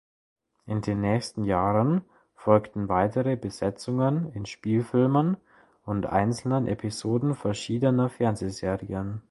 In den nächsten Jahren folgten weitere Besetzungen in Spielfilmen und einzelnen Episoden verschiedener Fernsehserien.